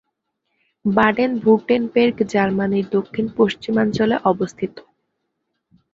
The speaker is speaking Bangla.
বাডেন-ভুর্টেনবের্গ জার্মানির দক্ষিণ-পশ্চিমাঞ্চলে অবস্থিত।